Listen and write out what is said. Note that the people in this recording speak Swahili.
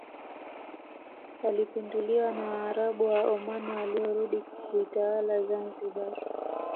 walipinduliwa na waarabu wa Oman waliorudi kuitawala Zanzibar